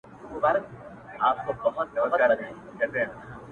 • له منګولو او له زامي د زمریو ,